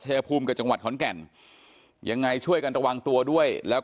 ชายภูมิกับจังหวัดขอนแก่นยังไงช่วยกันระวังตัวด้วยแล้ว